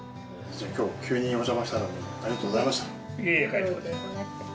今日急におじゃましたのにありがとうございました。